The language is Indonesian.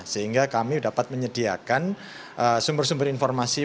sehingga kami dapat menyediakan sumber sumber informasi